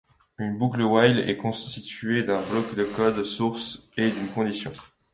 Une boucle while est constituée d’un bloc de code source et d’une condition.